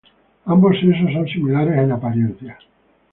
Ambos sexos son similares en apariencia.